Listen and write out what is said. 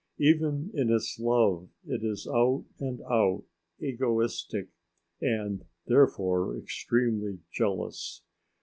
Even in its love it is out and out egoistic and therefore extremely jealous.